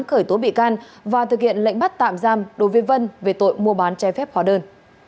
khởi tố bị can và thực hiện lệnh bắt tạm giam đối với vân về tội mua bán che phép hóa đơn